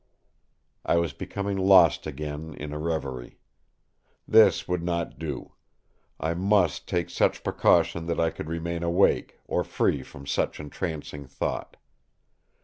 I was becoming lost again in a reverie. This would not do. I must take such precaution that I could remain awake, or free from such entrancing thought.